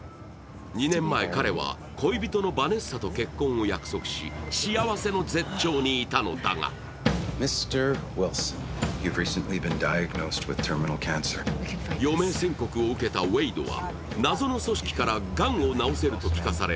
２年前、彼は恋人のヴァネッサと結婚を約束し幸せの絶頂にいたのだが余命宣告を受けたウェイドは謎の組織からがんを治せるといわれ